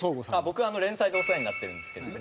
僕連載でお世話になってるんですけども。